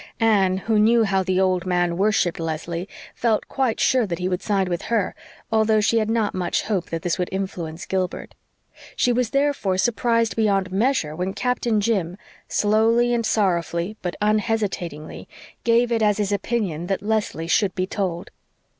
Anne, who knew how the old man worshipped Leslie, felt quite sure that he would side with her, although she had not much hope that this would influence Gilbert. She was therefore surprised beyond measure when Captain Jim, slowly and sorrowfully, but unhesitatingly, gave it as his opinion that Leslie should be told.